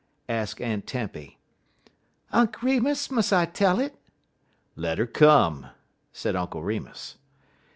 asked Aunt Tempy. "Unk' Remus, mus' I tell it?" "Let 'er come," said Uncle Remus.